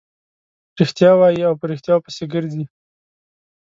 رښتیا وايي او په ريښتیاوو پسې ګرځي.